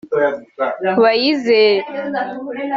Bayizere